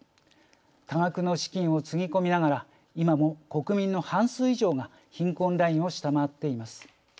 多額の資金をつぎ込みながらいまも国民の半数以上が貧困ラインを下回っています。